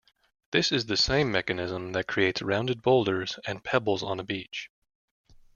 This is the same mechanism that creates rounded boulders and pebbles on a beach.